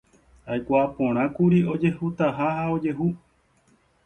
aikuaaporãkuri ojehutaha ha ojehu